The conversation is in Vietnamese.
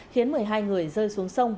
khiến một mươi hai người rơi xuống sông